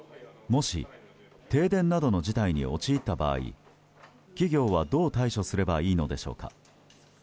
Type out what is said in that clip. もし、停電などの事態に陥った場合企業はどう対処すればいいのでしょうか。